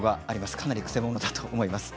かなり、くせ者だと思います。